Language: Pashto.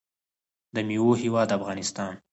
د میوو هیواد افغانستان.